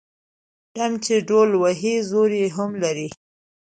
ـ ډم چې ډول وهي زور يې هم لري.